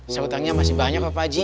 saya utangnya masih banyak baji